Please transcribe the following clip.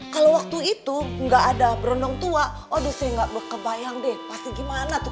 kalau waktu itu enggak ada bro dong tua aduh saya enggak berkebayang deh pasti gimana tuh